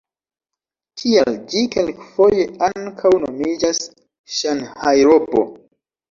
Tial ĝi kelkfoje ankaŭ nomiĝas Ŝanhajrobo.